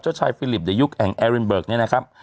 เจ้าชายฟิลิปเดี๋ยวยุคแห่งเอรินเบิร์กนะครับ